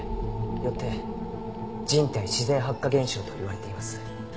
よって人体自然発火現象といわれています。